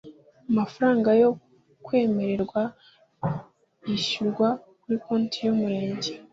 amafaranga yo kwemererwa yishyurwa kuri konti y’umurenge